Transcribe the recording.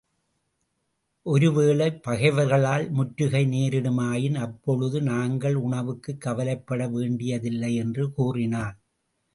ஒரு வேளை பகைவர்களால் முற்றுகை நேரிடுமாயின் அப்பொழுது நாங்கள் உணவுக்குக் கவலைப்பட வேண்டியதில்லை என்று கூறினான்.